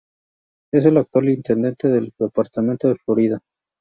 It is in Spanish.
Es el actual Intendente del Departamento de Florida.